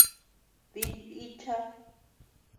Din bíchad.